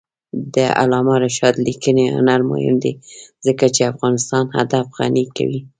د علامه رشاد لیکنی هنر مهم دی ځکه چې افغانستان ادب غني کوي.